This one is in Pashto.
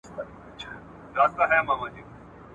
چی کلونه مو کول پکښي قولونه ..